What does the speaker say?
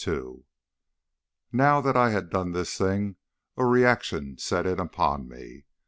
Now that I had done this thing a reaction set in upon me.